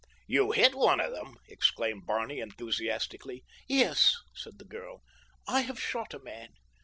"You hit one of them!" exclaimed Barney enthusiastically. "Yes," said the girl. "I have shot a man.